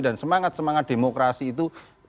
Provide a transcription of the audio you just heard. dan semangat semangat demokrasi itu